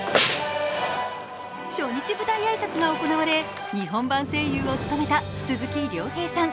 初日舞台挨拶が行われ日本版声優を務めた鈴木亮平さん